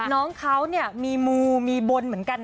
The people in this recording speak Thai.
น้องเขามีมูมีบนเหมือนกันนะ